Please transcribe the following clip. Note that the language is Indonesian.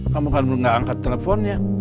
kamu kan belum gak angkat teleponnya